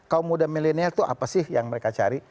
kaum muda milenial itu apa sih yang mereka cari